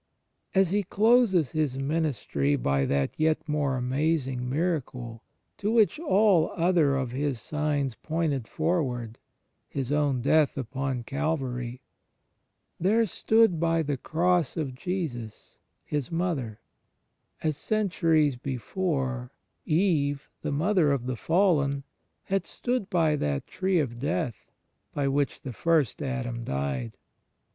As He closes His ministry by that yet more amazing miracle to which aU other of His signs pointed forward — His own Death upon Calvary —" there stood by the Cross of Jesus His Mother"* — as, centuries before, Eve, the mother of the fallen, had stood by that Tree of Death by which the First Adam died.